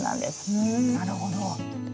うんなるほど。